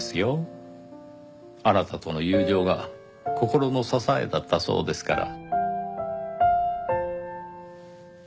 あなたとの友情が心の支えだったそうですから。